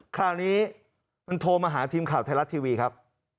คราวนี้มันโทรมาหาทีมข่าวไทยรัฐทีวีครับ